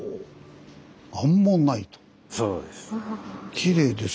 そうです。